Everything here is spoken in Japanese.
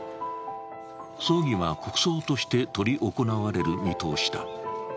葬儀は国葬として執り行われる見通しだ。